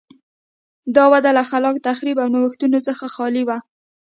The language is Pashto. دا وده له خلاق تخریب او نوښتونو څخه خالي وه.